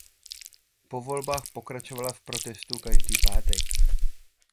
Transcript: Po volbách pokračovala v protestu každý pátek.